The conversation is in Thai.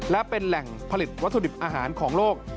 และเป็นแหล่งผลิตวัตถุดิบอาหารของโลก